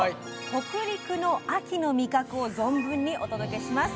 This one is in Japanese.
北陸の秋の味覚を存分にお届けします。